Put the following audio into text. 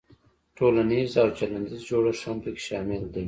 تولنیز او چلندیز جوړښت هم پکې شامل دی.